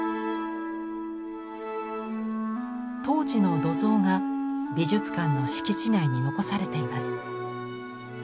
当時の土蔵が美術館の敷地内に残されています。